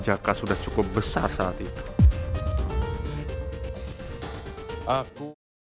maka sudah cukup besar saat itu